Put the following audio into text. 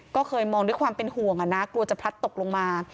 ก็เคยมองด้วยความเป็นห่วงนะกลัวจะพลัดตกลงมา